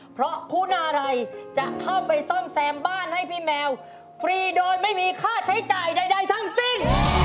เพราะคุณาลัยจะเข้าไปซ่อมแซมบ้านให้พี่แมวฟรีโดยไม่มีค่าใช้จ่ายใดทั้งสิ้น